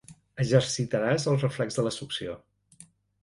Exercitaràs el reflex de la succió.